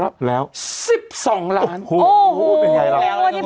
สวัสดีครับคุณผู้ชม